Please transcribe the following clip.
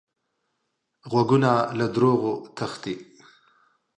غوږونه له دروغو تښتي